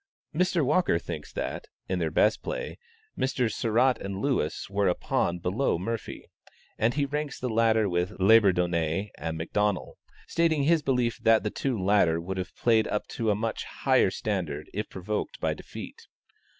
Mr. Walker thinks that, in their best play, Messrs. Sarratt and Lewis were a pawn below Morphy, and he ranks the latter with Labourdonnais and McDonnel, stating his belief that the two latter would have played up to a much higher standard if provoked by defeat.